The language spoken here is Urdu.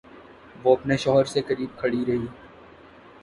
وہ اپنے شوہر سے قریب کھڑی رہی